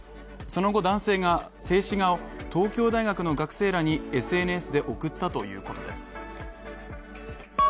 その後男性が、静止画を東京大学の学生らにＳＮＳで送ったということです。